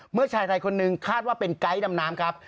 เมื่อชายไทยคนหนึ่งคาดว่าเป็นไกด์ดำน้ำครับ